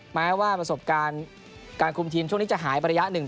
แม้ว่าประสบการณ์การคุมทีมช่วงนี้จะหายไประยะหนึ่ง